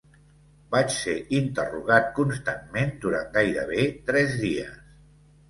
Vaig ser interrogat constantment durant gairebé tres dies.